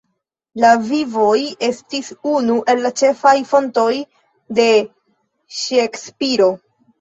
La "Vivoj" estis unu el la ĉefaj fontoj de Ŝekspiro.